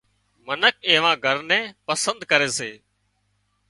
منک ايوا گھر نين پسند ڪري سي